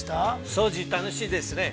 ◆掃除、楽しいですね。